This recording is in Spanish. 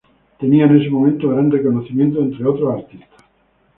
Tenía en ese momento gran reconocimiento entre otros artistas.